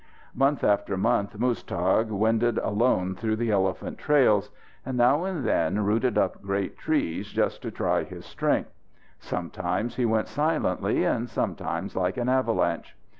Month after month Muztagh wended alone through the elephant trails, and now and then rooted up great trees just to try his strength. Sometimes he went silently, and sometimes like an avalanche.